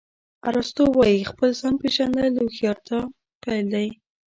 ارسطو وایي خپل ځان پېژندل د هوښیارتیا پیل دی.